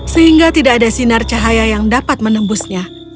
sehingga tidak ada sinar cahaya yang dapat menembusnya